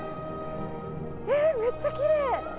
えっ、めっちゃきれい！